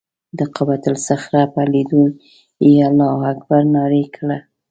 د قبة الصخره په لیدو یې الله اکبر نارې کړه.